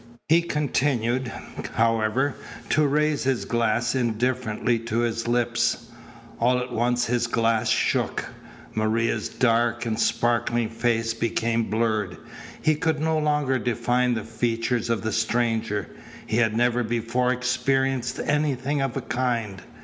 He continued, however, to raise his glass indifferently to his lips. All at once his glass shook. Maria's dark and sparkling face became blurred. He could no longer define the features of the stranger. He had never before experienced anything of the kind.